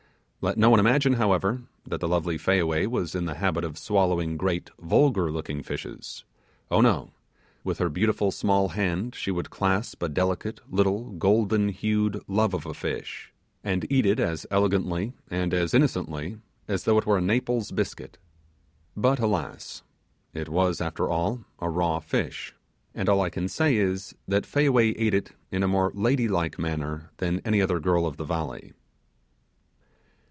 Let no one imagine, however, that the lovely Fayaway was in the habit of swallowing great vulgar looking fishes: oh, no; with her beautiful small hand she would clasp a delicate, little, golden hued love of a fish and eat it as elegantly and as innocently as though it were a Naples biscuit. But alas! it was after all a raw fish; and all I can say is, that Fayaway ate it in a more ladylike manner than any other girl of the valley.